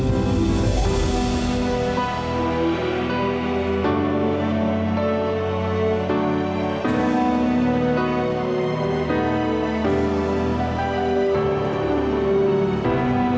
aurel sayang aku datang padamu